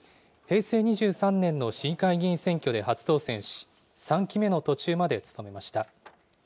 平成２３年の市議会議員選挙で初当選し、３期目の途中まで務めました。